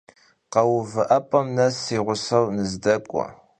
Kheuvı'ep'em nes si ğuseu nızdek'ue!